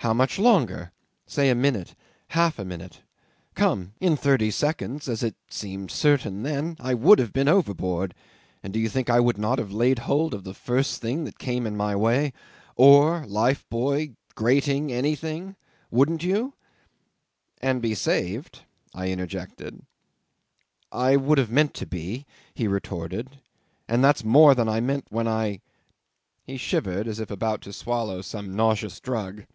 How much longer? Say a minute half a minute. Come. In thirty seconds, as it seemed certain then, I would have been overboard; and do you think I would not have laid hold of the first thing that came in my way oar, life buoy, grating anything? Wouldn't you?" '"And be saved," I interjected. '"I would have meant to be," he retorted. "And that's more than I meant when I" ... he shivered as if about to swallow some nauseous drug